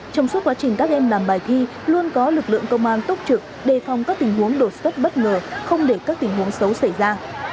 trong suốt quá trình các em làm bài thi luôn có lực lượng công an túc trực đề phòng các tình huống đột xuất bất ngờ không để các tình huống xấu xảy ra